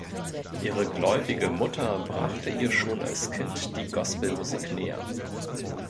Ihre gläubige Mutter brachte ihr schon als Kind die Gospelmusik näher.